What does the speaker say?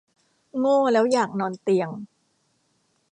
โง่แล้วอยากนอนเตียง